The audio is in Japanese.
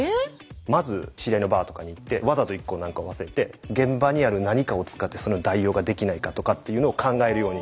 まず知り合いのバーとかに行ってわざと１個何かを忘れて現場にある何かを使ってその代用ができないかとかっていうのを考えるように。